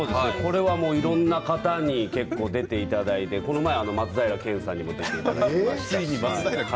いろいろな方に出ていただいてこの間、松平健さんにも出ていただいて。